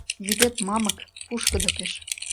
Вӱдет мамык, пушкыдо пеш.